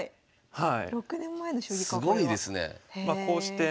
はい。